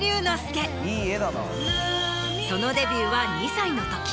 そのデビューは２歳の時。